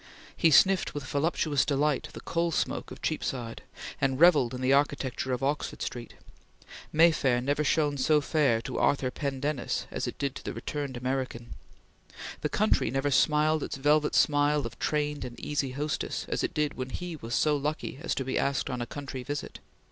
He sniffed with voluptuous delight the coal smoke of Cheapside and revelled in the architecture of Oxford Street. May Fair never shone so fair to Arthur Pendennis as it did to the returned American. The country never smiled its velvet smile of trained and easy hostess as it did when he was so lucky as to be asked on a country visit.